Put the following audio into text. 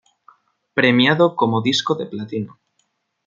Premiado como disco de platino.